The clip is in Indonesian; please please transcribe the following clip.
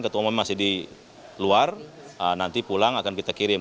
ketua umum masih di luar nanti pulang akan kita kirim